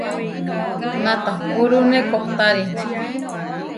Natapúrune kohtári.